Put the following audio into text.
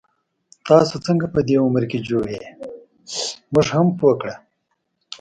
تاسو څنګه په دی عمر کي جوړ يې، مونږ هم پوه کړه